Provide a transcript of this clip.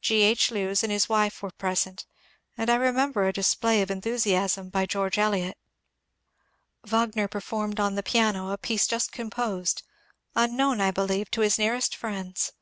G. H. Lewes and his wife were present, and I remember a display of en thusiasm by George Eliot. Wagner performed on the piaDo a piece just composed, unknown I believe to his nearest friends.